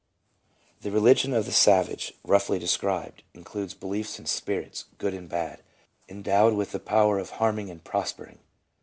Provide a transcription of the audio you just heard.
The religion of the savage, roughly described, includes 314 LETJBA : beliefs in spirits, good and bad, endowed with the power of harming and prospering.